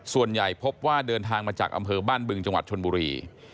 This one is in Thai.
ส่วนใหญ่พบว่าเดินทางมาจากอำเภอบ้านบึงจังหวัดชนบุรี